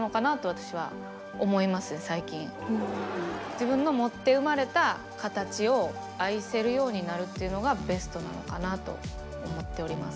自分の持って生まれた形を愛せるようになるっていうのがベストなのかなと思っております。